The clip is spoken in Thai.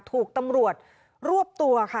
ถูกตำรวจรวบตัวค่ะ